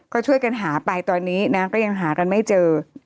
ก็ช่วยกันหาไปตอนนี้นะก็ยังหากันไม่เจอ